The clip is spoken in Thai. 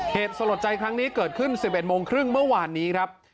เหตุสลดใจครั้งนี้เกิดขึ้น๑๑โมงครึ่งเมื่อวานนี้ครับ